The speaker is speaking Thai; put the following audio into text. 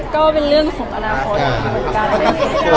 เก้าเป็นเรื่องของอนาคต